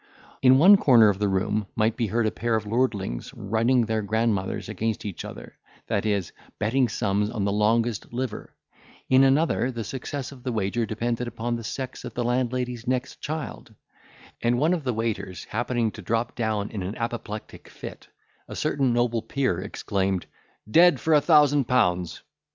In one corner of the room might be heard a pair of lordlings running their grandmothers against each other, that is, betting sums on the longest liver; in another the success of the wager depended upon the sex of the landlady's next child; and one of the waiters happening to drop down in an apoplectic fit, a certain noble peer exclaimed, "Dead for a thousand pounds."